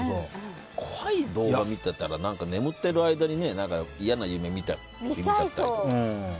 怖い動画見てたら眠っている間に嫌な夢を見ちゃったり。